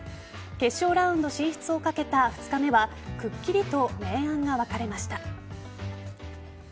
決勝ラウンド進出をかけた２日目はくっきりと明暗が分かれました。